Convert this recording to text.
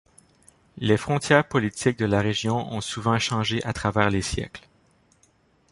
Les frontières politiques de la région ont souvent changé à travers les siècles.